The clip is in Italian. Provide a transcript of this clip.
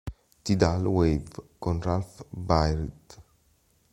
Tidal Wave", con Ralph Byrd.